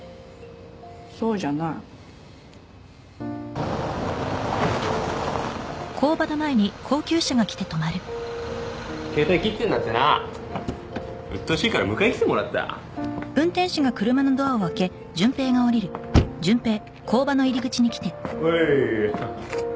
そうじゃない携帯切ってんだってなうっとうしいから迎えにきてもらったおいーははははっ